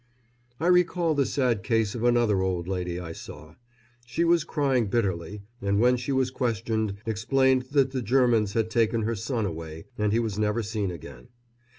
I recall the sad case of another old lady I saw. She was crying bitterly, and when she was questioned explained that the Germans had taken her son away and he was never seen again.